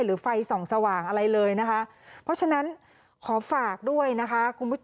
หรือไฟส่องสว่างอะไรเลยนะคะเพราะฉะนั้นขอฝากด้วยนะคะ